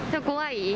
怖い？